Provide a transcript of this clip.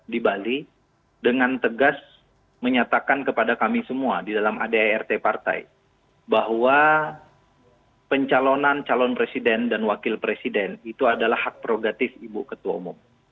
di bali dengan tegas menyatakan kepada kami semua di dalam adart partai bahwa pencalonan calon presiden dan wakil presiden itu adalah hak prerogatif ibu ketua umum